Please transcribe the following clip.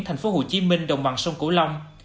thành phố hồ chí minh đồng bằng sông cửu long